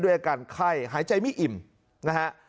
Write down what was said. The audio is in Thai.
อาการไข้หายใจไม่อิ่มนะฮะ